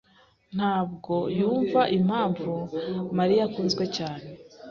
ntabwo yumva impamvu Mariya akunzwe cyane.